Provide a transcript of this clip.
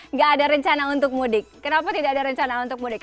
nggak ada rencana untuk mudik kenapa tidak ada rencana untuk mudik